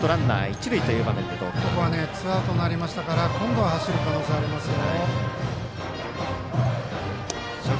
ここはツーアウトになりましたから今度は走る可能性ありますよ。